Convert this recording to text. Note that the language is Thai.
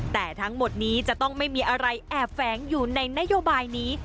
แต่ทั้งหมดนี้จะต้องไม่มีอะไรแอบแฝงอยู่ในนโยบายนี้